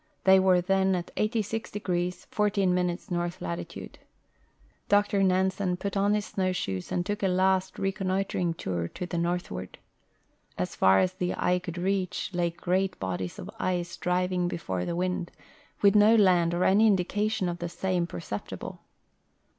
They were then at 86° 14' north latitude. Dr Xansen put on his snowshoes and took a last reconnoitering tour to the northward. As far as the eye could reach lay great bodies of ice driving before the wind, with no land or any indication of the same perceptible.